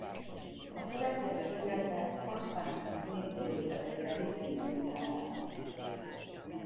A következő években Constantinus légióit vezette Licinius ellen.